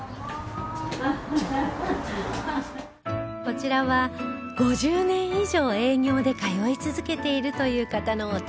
こちらは５０年以上営業で通い続けているという方のお宅